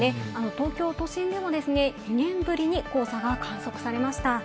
東京都心でも２年ぶりに黄砂が観測されました。